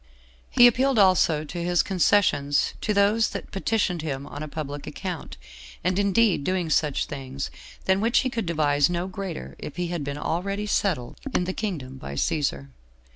He appealed also to his concessions to those that petitioned him on a public account, and indeed doing such things, than which he could devise no greater if he had been already settled in the kingdom by Cæsar.